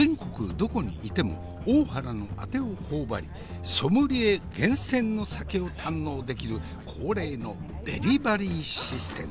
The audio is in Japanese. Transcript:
どこにいても大原のあてを頬張りソムリエ厳選の酒を堪能できる恒例のデリバリーシステム。